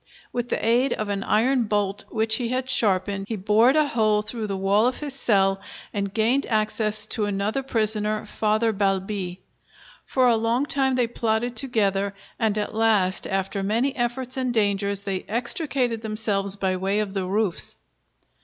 With the aid of an iron bolt which he had sharpened, he bored a hole through the wall of his cell and gained access to another prisoner, Father Balbi. For a long time they plotted together, and at last after many efforts and dangers they extricated themselves by way of the roofs.